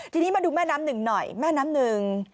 ทีนี้มาดูแม่น้ำหนึ่งหน่อยแม่น้ำหนึ่ง